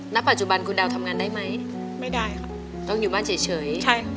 ณปัจจุบันคุณดาวทำงานได้ไหมไม่ได้ค่ะต้องอยู่บ้านเฉยใช่ค่ะ